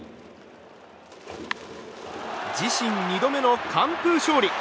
自身２度目の完封勝利！